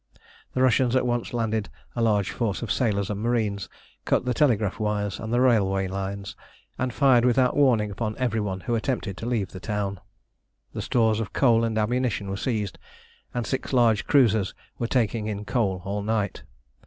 The Russians at once landed a large force of sailors and marines, cut the telegraph wires and the railway lines, and fired without warning upon every one who attempted to leave the town. The stores of coal and ammunition were seized, and six large cruisers were taking in coal all night.